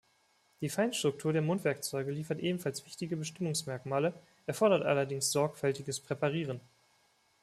Die Feinstruktur der Mundwerkzeuge liefert ebenfalls wichtige Bestimmungsmerkmale, erfordert allerdings sorgfältiges Präparieren.